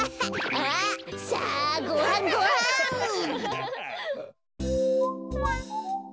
あっさあごはんごはん！